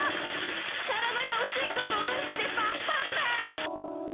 からだがおしっことうんちでパンパンだ！